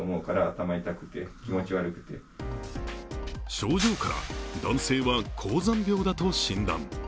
症状から男性は高山病だと診断。